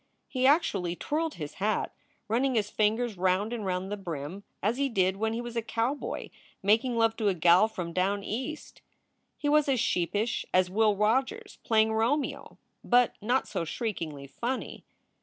He actually twirled his hat, running his fingers round and round the brim as he did when he was a cowboy making love to a gal from down East. He was as sheepish as Will Rogers playing Romeo, but not so shriekingly funny.